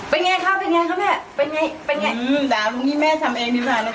เป็นไงครับเป็นไงครับแม่เป็นไงเป็นไงอืม